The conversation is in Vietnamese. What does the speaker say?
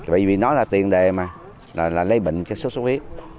bởi vì nó là tiền đề mà là lấy bệnh cho xuất xuất huyết